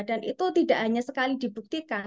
dan itu tidak hanya sekali dibuktikan